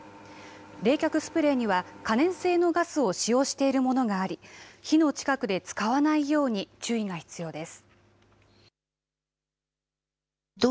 冷却スプレーには可燃性のガスを使用しているものがあり火の近くで使わないように注意が必要です。